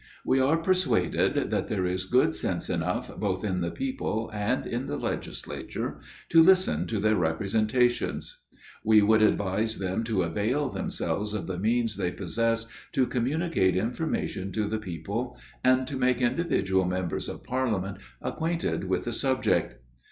We are persuaded, that there is good sense enough, both in the people and in the legislature, to listen to their representations. We would advise them to avail themselves of the means they possess to communicate information to the people, and to make individual members of parliament acquainted with the subject.